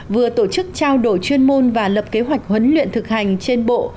vừa tổ chức trao đổi chuyên môn và lập kế hoạch huấn luyện thực hành trên bộ